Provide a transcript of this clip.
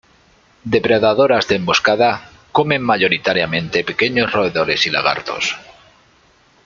Depredadoras de emboscada, comen mayoritariamente pequeños roedores y lagartos.